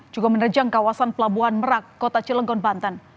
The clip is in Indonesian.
juga menerjang kawasan pelabuhan merak kota cilegon banten